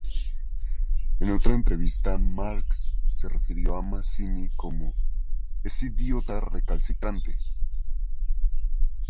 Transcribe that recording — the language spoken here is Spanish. En otra entrevista, Marx se refirió a Mazzini como "ese idiota recalcitrante"".